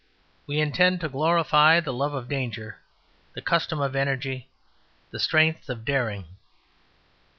We intend to glorify the love of danger, the custom of energy, the strengt of daring.